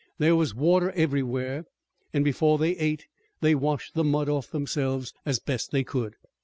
There was water everywhere, and before they ate they washed the mud off themselves as best they could.